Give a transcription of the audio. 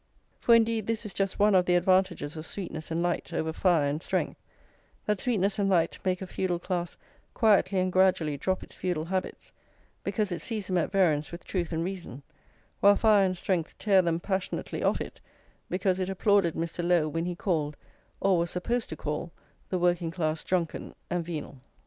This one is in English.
For indeed this is just one of the advantages of sweetness and light over fire and strength, that sweetness and light make a feudal class quietly and gradually drop its feudal habits because it sees them at variance with truth and reason, while fire and strength tear them passionately off it because it applauded Mr. Lowe when he called, or was supposed to call, the working class drunken and venal.